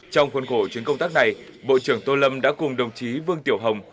trong khuôn khổ chuyến công tác này bộ trưởng tô lâm đã cùng đồng chí vương tiểu hồng